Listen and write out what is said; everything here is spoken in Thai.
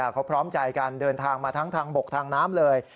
เขาพร้อมใจกันเดินทางมาทั้งทางบกทางน้ำเลย